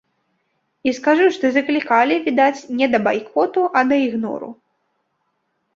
І скажу, што заклікалі, відаць, не да байкоту, а да ігнору.